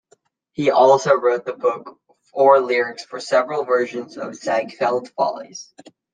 He also wrote the book or lyrics for several versions of the Ziegfeld Follies.